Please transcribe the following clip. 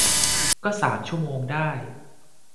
ก็สามชั่วโมงได้